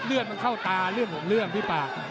เลือดเข้าตาเลือดของเลือดพี่ปาก